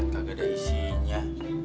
nggak ada isinya